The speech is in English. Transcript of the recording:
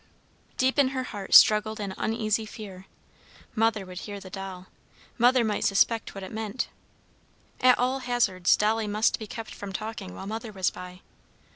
Deep in her heart struggled an uneasy fear. Mother would hear the doll! Mother might suspect what it meant! At all hazards, Dolly must be kept from talking while mother was by.